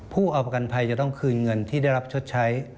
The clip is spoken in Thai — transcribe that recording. ผู้เอาประกันภัยจะต้องคืนเงินที่ได้รับชดใช้